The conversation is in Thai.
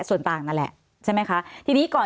สวัสดีครับทุกคน